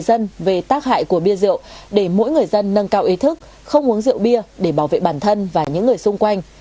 dân về tác hại của bia rượu để mỗi người dân nâng cao ý thức không uống rượu bia để bảo vệ bản thân và những người xung quanh